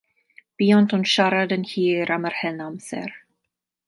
Buont yn siarad yn hir am yr hen amser.